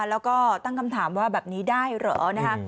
แล้วก็ตั้งคำถามว่าแบบนี้ได้เหรอนะคะ